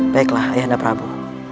baiklah ayah anda pramu